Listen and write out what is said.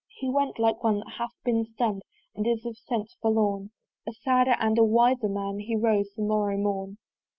He went, like one that hath been stunn'd And is of sense forlorn: A sadder and a wiser man He rose the morrow morn.